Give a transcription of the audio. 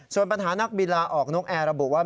ส่วนปัญหานักบินลาออกนกแอร์ระบุว่า